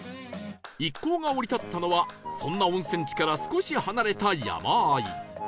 一行が降り立ったのはそんな温泉地から少し離れた山あい